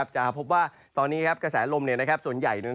จะพบว่าตอนนี้กระแสลมส่วนใหญ่